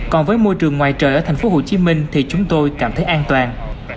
còn với môi trường ngoài trời ở tp hcm thì chúng tôi cảm thấy an toàn